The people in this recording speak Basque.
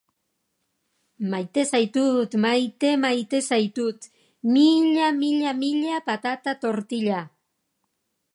Maite zaitut, maite, maite zaitut... Mila, mila, mila, patata tortila.